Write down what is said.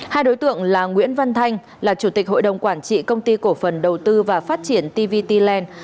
hai đối tượng là nguyễn văn thanh là chủ tịch hội đồng quản trị công ty cổ phần đầu tư và phát triển tvtland